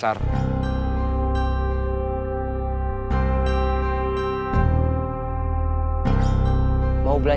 ih amat amer moral